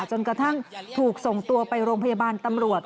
จนกระทั่งถูกส่งตัวไปโรงพยาบาลตำรวจ